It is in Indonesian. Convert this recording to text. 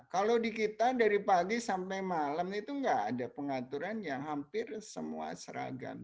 kalau di kita dari pagi sampai malam itu nggak ada pengaturan yang hampir semua seragam